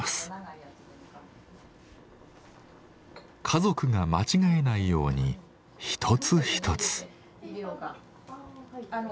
家族が間違えないように一つ一つ。